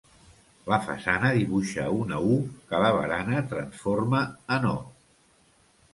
La façana dibuixa una u que la barana transforma en o.